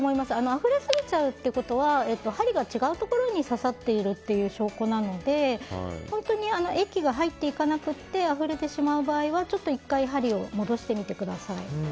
あふれ過ぎちゃうということは針が違うところに刺さっているという証拠なので本当に液が入っていかなくってあふれてしまう場合はちょっと１回、針を戻してみてください。